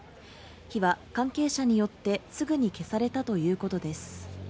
火は関係者によってすぐに消されたということです。